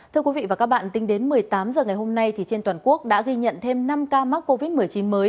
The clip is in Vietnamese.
thưa quý vị và các bạn tính đến một mươi tám h ngày hôm nay trên toàn quốc đã ghi nhận thêm năm ca mắc covid một mươi chín mới